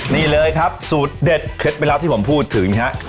นี่เลยครับสูตรเด็ดเคล็ดไปรับที่ผมพูดถึงฮะ